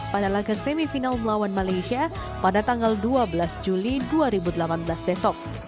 pada laga semifinal melawan malaysia pada tanggal dua belas juli dua ribu delapan belas besok